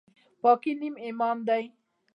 پاکي نیم ایمان دی